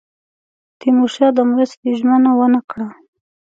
تیمورشاه د مرستې ژمنه ونه کړه.